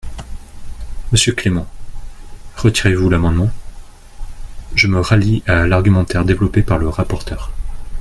Monsieur Clément, retirez-vous l’amendement ? Je me rallie à l’argumentaire développé par le rapporteur.